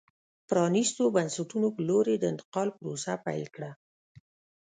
پرانیستو بنسټونو په لور یې د انتقال پروسه پیل کړه.